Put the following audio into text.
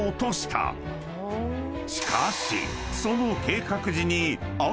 ［しかしその］